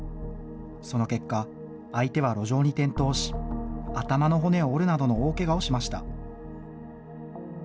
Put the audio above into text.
その結果、相手は路上に転倒し、頭の骨を折るなどの大けがをしました。